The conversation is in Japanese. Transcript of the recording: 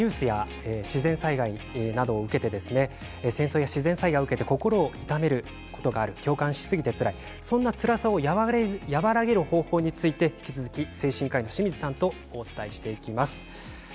戦争や自然災害などを受けて心を痛める、共感しすぎてつらいそんなつらさを和らげる方法について引き続き精神科医の清水さんとお伝えしていきます。